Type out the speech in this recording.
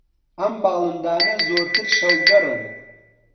ئەم باڵندانە زۆرتر شەوگەڕن